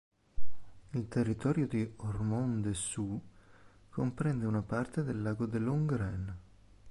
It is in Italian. Il territorio di Ormont-Dessous comprende una parte del lago de l'Hongrin.